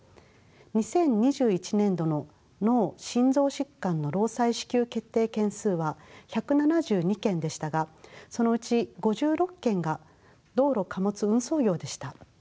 ２０２１年度の脳・心臓疾患の労災支給決定件数は１７２件でしたがそのうち５６件が道路貨物運送業でした。